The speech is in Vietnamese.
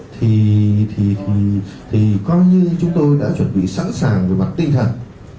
thì coi như chúng tôi đã chuẩn bị sẵn sàng về mặt tinh thần